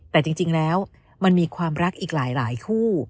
แต่จริงแล้วมันมีความรักอีกหลายคู่